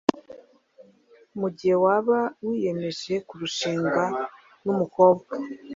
Mu gihe waba wiyemeje kurushinga n’umukobwa